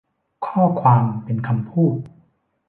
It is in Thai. ข้อความเป็นคำพูด